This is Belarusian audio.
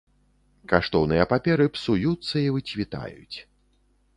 Каштоўныя паперы псуюцца і выцвітаюць.